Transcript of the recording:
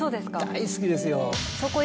大好きですよ。